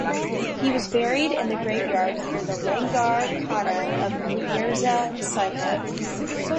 He was buried in the graveyard near the langar khana of Mirza Saheb.